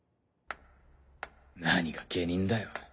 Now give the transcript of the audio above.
何が下忍だよ。